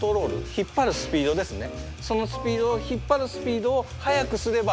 引っ張るスピードですね。